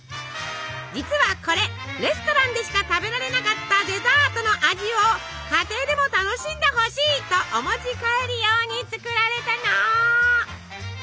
実はこれレストランでしか食べられなかったデザートの味を家庭でも楽しんでほしいとお持ち帰り用に作られたの！